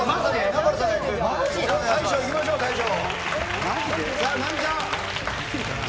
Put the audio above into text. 大将いきましょう、大将。